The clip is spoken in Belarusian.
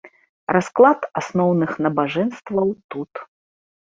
Расклад асноўных набажэнстваў тут.